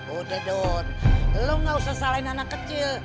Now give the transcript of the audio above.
udah don lo gak usah salahin anak kecil